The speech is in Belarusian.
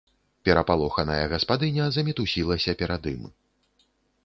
Перапалоханая гаспадыня замітусілася перад ім.